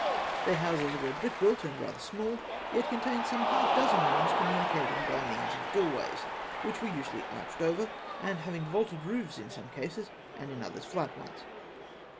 Their houses were brick built and rather small, yet contained some half dozen rooms communicating by means of doorways, which were usually arched over, and having vaulted roofs in some cases, and in others flat ones.